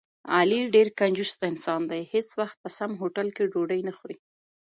علي ډېر کنجوس انسان دی، هېڅ وخت په سم هوټل کې ډوډۍ نه خوري.